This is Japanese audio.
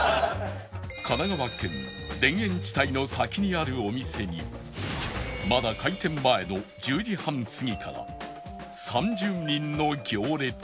神奈川県田園地帯の先にあるお店にまだ開店前の１０時半すぎから３０人の行列が